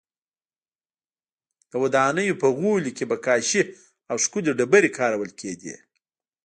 د ودانیو په غولي کې به کاشي او ښکلې ډبرې کارول کېدې